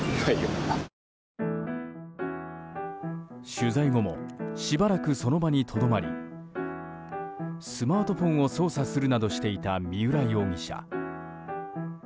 取材後もしばらくその場にとどまりスマートフォンを操作するなどしていた三浦容疑者。